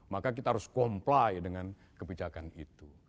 maka kita harus comply dengan kebijakan itu